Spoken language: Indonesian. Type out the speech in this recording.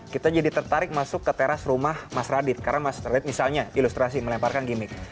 kita jadi tertarik masuk ke teras rumah mas radit karena mas radit misalnya ilustrasi melemparkan gimmick